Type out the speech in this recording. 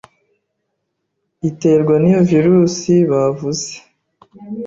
iterwa n'iyo virusi bavuze